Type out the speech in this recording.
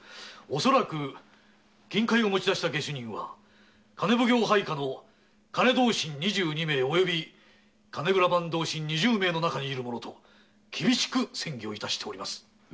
恐らく金塊を持ち出した下手人は金奉行配下の金同心二十二名および金蔵番同心二十名の中にいると厳しく詮議を致しております。